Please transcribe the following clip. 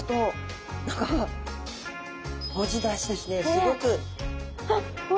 すごく。